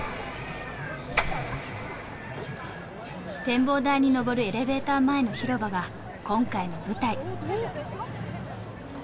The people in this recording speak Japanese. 展望台にのぼるエレベーター前の広場が今回の舞台。